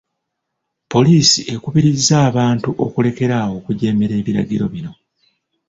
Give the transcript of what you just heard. Poliisi ekubirizza abantu okulekeraawo okujeemera ebirgiro bino.